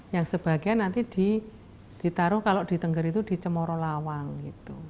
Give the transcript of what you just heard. yang sebagian nanti ditaruh kalau di tengger itu di cemoro lawang gitu